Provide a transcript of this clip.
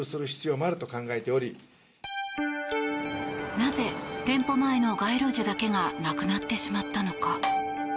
なぜ、店舗前の街路樹だけがなくなってしまったのか。